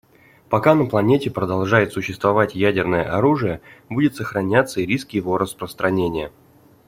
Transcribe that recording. Пока на планете продолжает существовать ядерное оружие, будет сохраняться и риск его распространения.